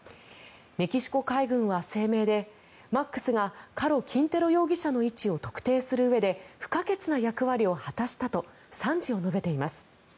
メキシコ海軍は声明でマックスがカロ・キンテロ容疑者の位置を特定するうえで不可欠な役割を果たしたと賛辞を述べています。